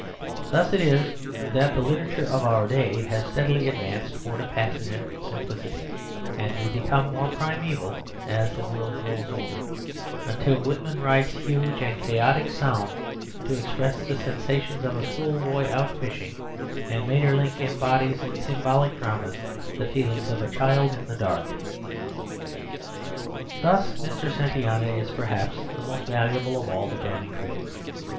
Thus it is that the literature of our day has steadily advanced towards a passionate simplicity, and we become more primeval as the world grows older, until Whitman writes huge and chaotic psalms to express the sensations of a schoolboy out fishing, and Maeterlinck embodies in symbolic dramas the feelings of a child in the dark. Thus, Mr. Santayana is, perhaps, the most valuable of all the Browning critics.